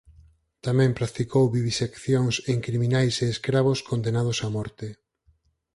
Tamén practicou viviseccións en criminais e escravos condenados a morte.